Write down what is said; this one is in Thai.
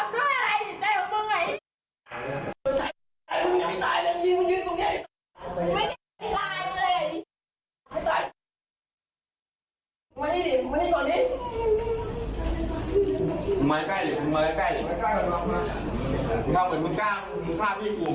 มายันได้เหมือนแกล้